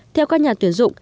theo các nhà tuyển dụng